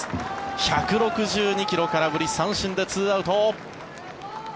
１６２ｋｍ空振り三振で、２アウト。